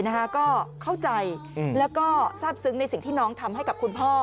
เข้าใจแล้วก็ทราบซึ้งในสิ่งที่น้องทำให้กับคุณพ่อ